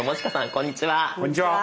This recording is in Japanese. こんにちは。